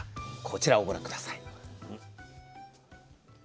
こちらをご覧下さい。